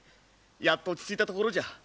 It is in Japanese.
やっと落ち着いたところじゃ。